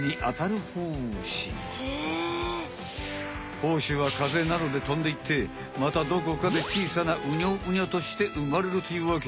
胞子はかぜなどでとんでいってまたどこかでちいさなウニョウニョとしてうまれるというわけ。